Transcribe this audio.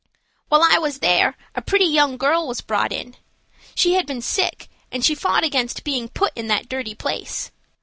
"While I was there a pretty young girl was brought in. She had been sick, and she fought against being put in that dirty place.